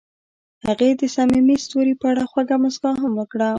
هغې د صمیمي ستوري په اړه خوږه موسکا هم وکړه.